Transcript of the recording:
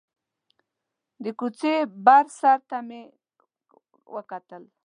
د کوڅې بر سر ته مې وکتل.